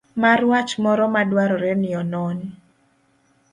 mar wach moro madwarore nionon.